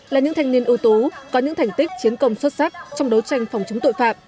là những thanh niên ưu tú có những thành tích chiến công xuất sắc trong đấu tranh phòng chống tội phạm